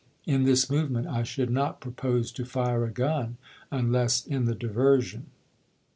In this movement I should not pro i..p. 457. pose to fire a gun, unless in the diversion.